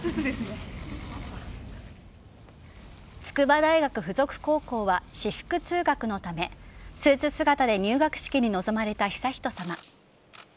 筑波大学附属高校は私服通学のためスーツ姿で入学式に臨まれた悠仁さま。